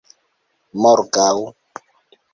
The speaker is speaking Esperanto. morgaŭ